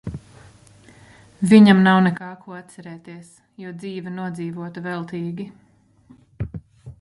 Viņam nav nekā ko atcerēties, jo dzīve nodzīvota veltīgi.